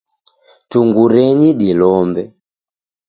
Tungurenyi dilombe.